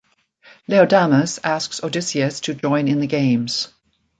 Laodamas asks Odysseus to join in the games.